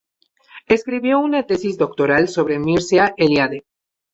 Escribió una tesis doctoral sobre Mircea Eliade.